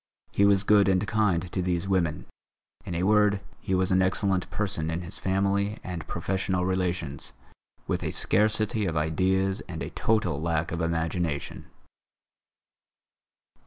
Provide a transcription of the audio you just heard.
He was good and kind to these women. In a word, he was an excellent person in his family and professional relations, with a scarcity of ideas and a total lack of imagination.